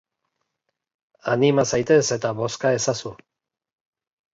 Anima zaitez eta bozka ezazu!